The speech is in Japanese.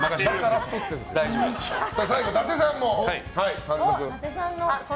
最後、伊達さんも短冊。